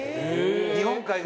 日本海側。